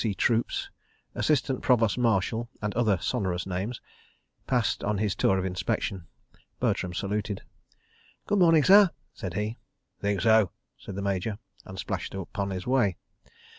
C. Troops, Assistant Provost Marshal, and other sonorous names), passed on his tour of inspection. Bertram saluted. "Good morning, sir," said he. "Think so?" said the Major, and splashed upon his way.